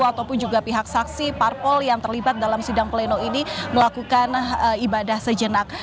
ataupun juga pihak saksi parpol yang terlibat dalam sidang pleno ini melakukan ibadah sejenak